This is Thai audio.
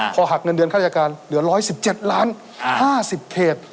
พอหักเงินเดือนข้าราชการเหลือ๑๑๗ล้าน๕๐เขต